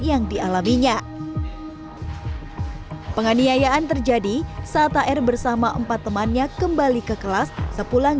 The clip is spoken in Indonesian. yang dialaminya penganiayaan terjadi saat ar bersama empat temannya kembali ke kelas sepulang